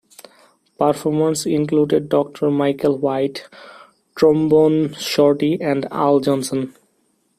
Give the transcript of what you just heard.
Performers included Doctor Michael White, Trombone Shorty and Al Johnson.